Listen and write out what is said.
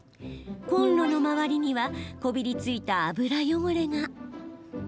コンロの周りにはこびりついた油汚れが。